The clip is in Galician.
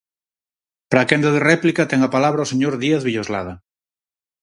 Para a quenda de réplica ten a palabra o señor Díaz Villoslada.